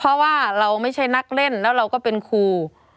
เพราะว่าเราไม่ใช่นักเล่นแล้วเราก็เป็นครู